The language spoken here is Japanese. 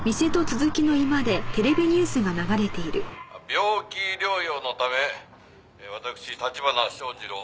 「病気療養のため私立花正二郎